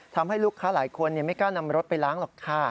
ทำให้ลูกค้าหลายคนไม่กล้านำรถไปล้างหรอกค่ะ